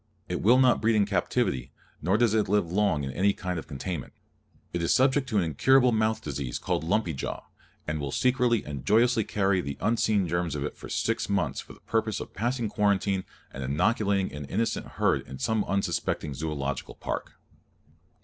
It will not breed in captivity, nor does it live long in any kind of confinement. It is subject to an incurable mouth disease called lumpy jaw, and will secretly and joyously carry the unseen germs of it for six months for the purpose of passing quarantine and inoculating an innocent herd in some unsuspecting Zoological Park.